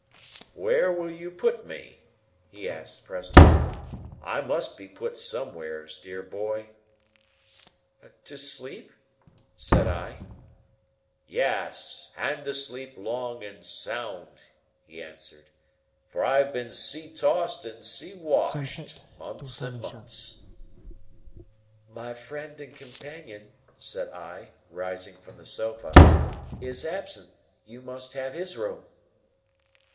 "Where will you put me?" he asked, presently. "I must be put somewheres, dear boy." "To sleep?" said I. "Yes. And to sleep long and sound," he answered; "for I've been sea tossed and sea washed, months and months." "My friend and companion," said I, rising from the sofa, "is absent; you must have his room."